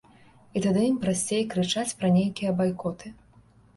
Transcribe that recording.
І тады ім прасцей крычаць пра нейкія байкоты.